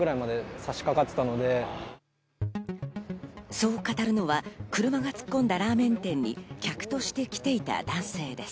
そう語るのは車が突っ込んだラーメン店に客として来ていた男性です。